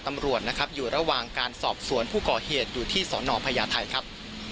ตำรวจนะครับอยู่ระหว่างการสอบสวนผู้ก่อเหตุอยู่ที่สนพญาไทยครับ